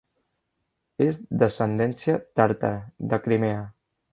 Es d'ascendència tàrtara de Crimea.